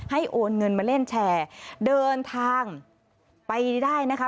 โอนเงินมาเล่นแชร์เดินทางไปได้นะคะ